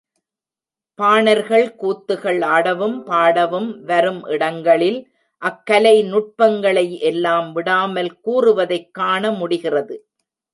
பாணர்கள் கூத்துகள் ஆடவும், பாடவும் வரும் இடங்களில் அக்கலை நுட்பங்களை எல்லாம் விடாமல் கூறுவதைக் காண முடிகிறது.